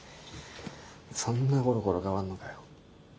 そんなコロコロ変わんのかよ。